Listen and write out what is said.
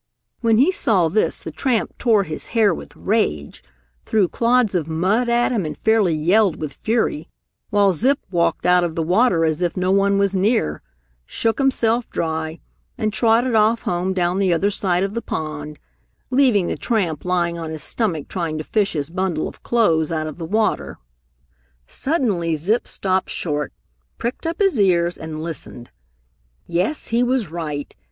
When he saw this the tramp tore his hair with rage, threw clods of mud at him and fairly yelled with fury, while Zip walked out of the water as if no one were near, shook himself dry and trotted off home down the other side of the pond, leaving the tramp lying on his stomach trying to fish his bundle of clothes out of the water. Suddenly Zip stopped short, pricked up his ears and listened. Yes, he was right!